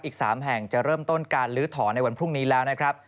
อีก๓แห่งจะเริ่มต้นการลื้อถอนในวันพรุ่งนี้แล้วนะครับ